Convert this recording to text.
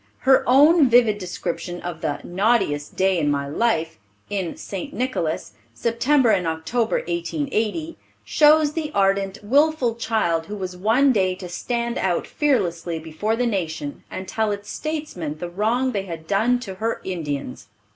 Her own vivid description of the "naughtiest day in my life," in St. Nicholas, September and October, 1880, shows the ardent, wilful child who was one day to stand out fearlessly before the nation and tell its statesmen the wrong they had done to "her Indians."